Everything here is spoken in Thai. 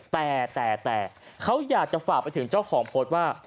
แต่แต่เขาอยากจะฝากไปถึงเจ้าของโพสต์ว่า